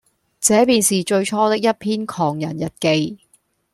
這便是最初的一篇《狂人日記》。